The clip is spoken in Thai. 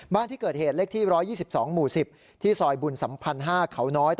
บ้านที่เกิดเหตุเลขที่๑๒๒หมู่๑๐ที่ซอยบุญสัมพันธ์๕เขาน้อย